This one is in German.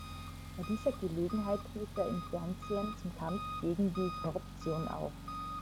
Bei dieser Gelegenheit rief er im Fernsehen zum Kampf gegen die Korruption auf.